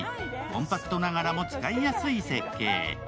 コンパクトならがも使いやすい設計。